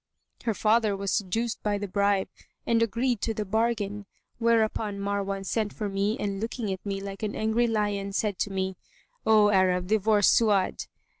Her father was seduced by the bribe and agreed to the bargain; whereupon Marwan sent for me and looking at me like an angry lion, said to me, 'O Arab, divorce Su'ad.